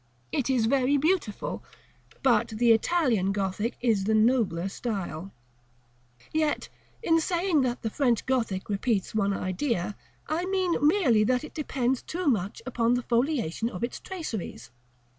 It is very beautiful, but the Italian Gothic is the nobler style. § CIV. Yet, in saying that the French Gothic repeats one idea, I mean merely that it depends too much upon the foliation of its traceries.